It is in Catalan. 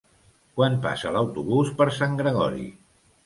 Quan passa l'autobús per Sant Gregori?